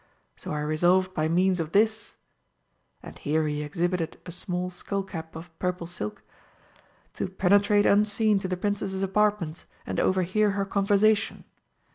So I resolved by means of this" (and here he exhibited a small skull cap of purple silk) "to penetrate unseen to the Princess's apartments and overhear her conversation.